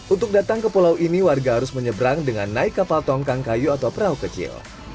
untuk datang ke pulau ini warga harus menyeberang dengan naik kapal tongkang kayu atau perahu kecil